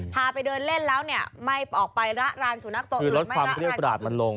พาไปเดินเล่นแล้วเนี่ยไม่ออกไประรานสุนัขตัวอื่นไม่ระรานกราดมันลง